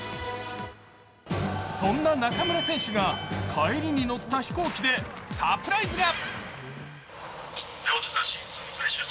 そんな中村選手が帰りに乗った飛行機でサプライズが。